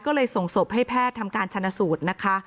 ก็เลยส่งศพให้แพทย์ทำการชนะสูตรนะคะ